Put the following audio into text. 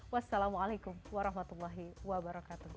wassalamualaikum warahmatullahi wabarakatuh